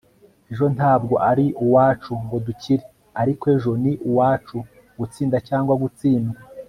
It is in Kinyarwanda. ejo ntabwo ari uwacu ngo dukire, ariko ejo ni uwacu gutsinda cyangwa gutsindwa